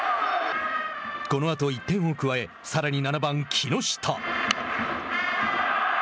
このあと１点を加えさらに７番木下。